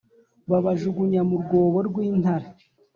babajugunya mu rwobo rw intare